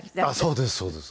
そうですそうです。